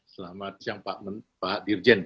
selamat siang pak dirjen